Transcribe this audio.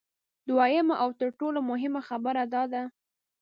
دویمه او تر ټولو مهمه خبره دا ده